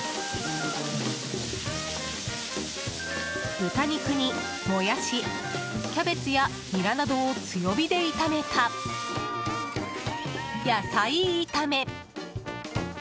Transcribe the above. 豚肉にモヤシキャベツやニラなどを強火で炒めた野菜炒め。